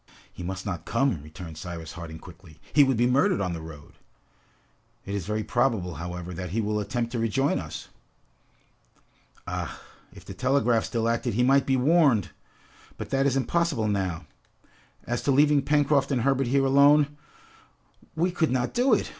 "He must not come!" returned Cyrus Harding quickly. "He would be murdered on the road!" "It is very probable, however, that he will attempt to rejoin us!" "Ah, if the telegraph still acted, he might be warned! But that is impossible now! As to leaving Pencroft and Herbert here alone, we could not do it!